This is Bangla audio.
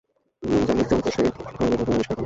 মিনজানীক যন্ত্র সে-ই সর্ব প্রথম আবিষ্কার করে।